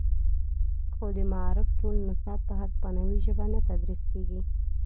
خو د معارف ټول نصاب په هسپانوي ژبه نه تدریس کیږي